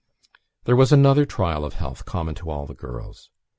There was another trial of health common to all the girls.